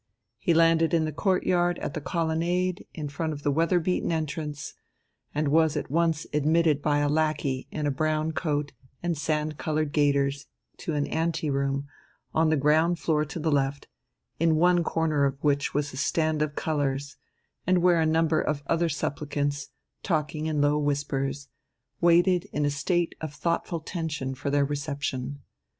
He landed in the courtyard at the colonnade in front of the weather beaten entrance, and was at once admitted by a lackey in a brown coat and sand coloured gaiters to an ante room on the ground floor to the left, in one corner of which was a stand of colours, and where a number of other supplicants, talking in low whispers, waited in a state of thoughtful tension for their reception.